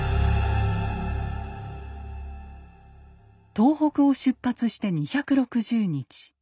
東北を出発して２６０日。